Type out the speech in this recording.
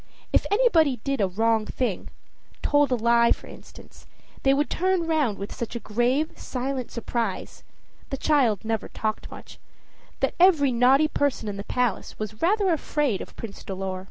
If anybody did a wrong thing told a lie, for instance they would turn round with such a grave, silent surprise the child never talked much that every naughty person in the palace was rather afraid of Prince Dolor.